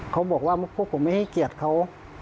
เขาบอกว่าพวกผมไม่ให้เกียรติเขา